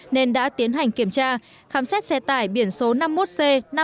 nên đã tiến hành kiểm tra khám xét xe tải biển số năm mươi một c năm mươi bảy nghìn sáu mươi bảy